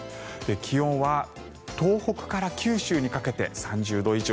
気温は東北から九州にかけて３０度以上。